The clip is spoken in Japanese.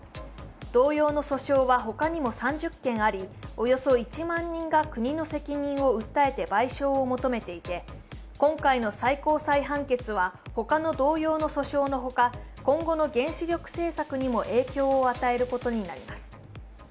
同様の訴訟は他にも３０件ありおよそ１万人が国の責任を訴えて賠償を求めていて今回の最高裁判決は他の同様の訴訟のほか、今後の原子力政策にも影響を与えることになります。